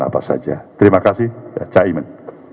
apa saja terima kasih cak imin